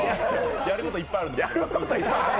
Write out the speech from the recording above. やることいっぱいあるんで。